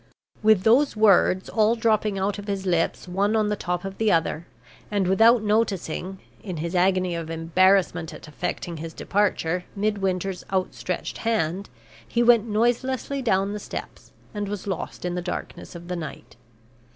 With those words, all dropping out of his lips one on the top of the other, and without noticing, in his agony of embarrassment at effecting his departure, Midwinter's outstretched hand, he went noiselessly down the steps, and was lost in the darkness of the night.